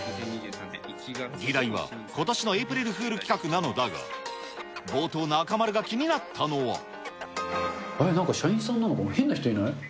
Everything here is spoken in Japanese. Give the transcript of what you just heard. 議題はことしのエープリルフール企画なのだが、冒頭、中丸が気にあれ、なんか社員さんなのかな、変な人いない？